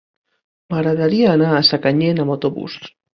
M'agradaria anar a Sacanyet amb autobús.